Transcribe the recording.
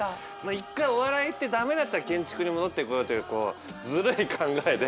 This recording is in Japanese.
一回お笑い行って駄目だったら建築に戻ってこようというずるい考えで。